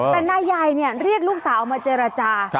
แต่นายใหญ่เรียกลูกสาวมาเจรจา